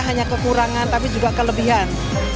hanya kekurangan tapi juga kelebihan